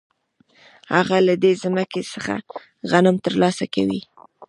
هغه له دې ځمکې څخه غنم ترلاسه کوي